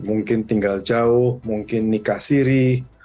mungkin tinggal jauh mungkin nikah siri